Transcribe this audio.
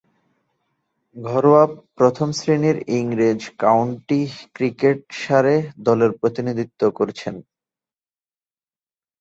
ঘরোয়া প্রথম-শ্রেণীর ইংরেজ কাউন্টি ক্রিকেটে সারে দলের প্রতিনিধিত্ব করছেন।